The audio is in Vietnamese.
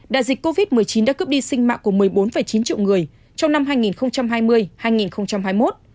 đại dịch covid một mươi chín đã cướp đi sinh mạng của một mươi bốn chín triệu người trong năm hai nghìn hai mươi hai nghìn hai mươi một